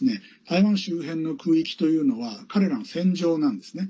台湾周辺の空域というのは彼らの戦場なんですね。